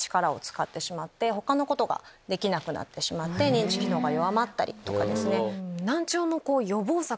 認知機能が弱まったりとかですね。